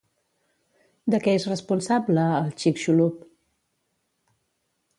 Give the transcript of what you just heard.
De què és responsable el Chicxulub?